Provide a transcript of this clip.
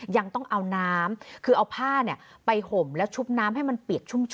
ยังต้องเอาน้ำคือเอาผ้าไปห่มแล้วชุบน้ำให้มันเปียกชุ่มชื